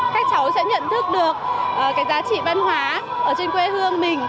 các cháu sẽ nhận thức được cái giá trị văn hóa ở trên quê hương mình